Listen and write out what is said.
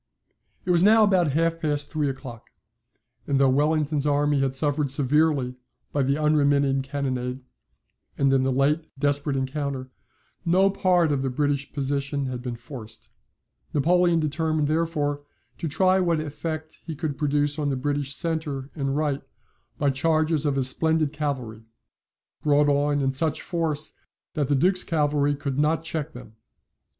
It was now about half past three o'clock; and though Wellington's army had suffered severely by the unremitting cannonade, and in the late desperate encounter, no part of the British position had been forced. Napoleon determined therefore to try what effect he could produce on the British centre and right by charges of his splendid cavalry, brought on in such force that the Duke's cavalry could not check them.